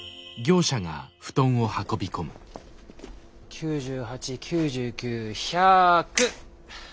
９８９９１００。